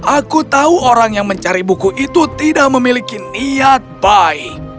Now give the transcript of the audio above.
aku tahu orang yang mencari buku itu tidak memiliki niat baik